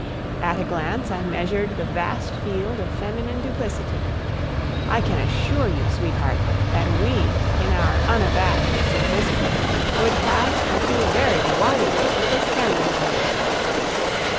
At a glance I measured the vast field of feminine duplicity. I can assure you, sweetheart, that we, in our unabashed simplicity, would pass for two very wide awake little scandal mongers.